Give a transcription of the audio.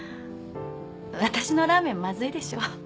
私のラーメンまずいでしょ？